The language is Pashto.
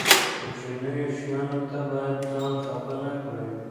کوچنیو شیانو ته باید ځان خپه نه کړي.